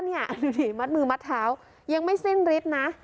นี่ดูสิมัดมือมัดเท้ายังไม่สิ้นฤทธิ์นะ